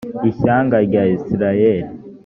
ishyanga rya isirayeli